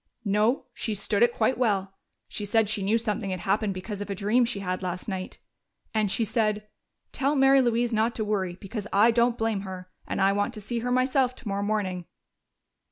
"No, she stood it quite well. She said she knew something had happened because of a dream she had last night. And she said, 'Tell Mary Louise not to worry, because I don't blame her. And I want to see her myself tomorrow morning.'"